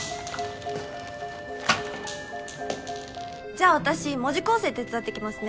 じゃあ私文字校正手伝ってきますね。